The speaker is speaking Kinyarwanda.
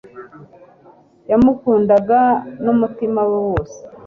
yamukundaga n'umutima we wose